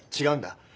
違うんだ。